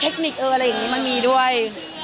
คนิคอะไรอย่างนี้มันมีด้วย